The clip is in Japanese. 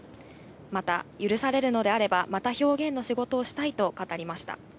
また、許されるのであれば、また表現の仕事をしたいと語りました。